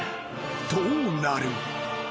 どうなる？］